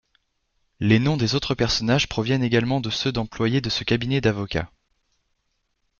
Les noms des autres personnages proviennent également de ceux d'employés de ce cabinet d'avocats.